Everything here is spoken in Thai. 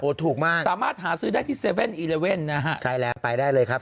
ถูกมากสามารถหาซื้อได้ที่๗๑๑นะฮะใช่แล้วไปได้เลยครับ